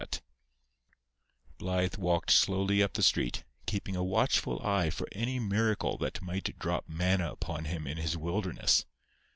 Blythe walked slowly up the street, keeping a watchful eye for any miracle that might drop manna upon him in his wilderness.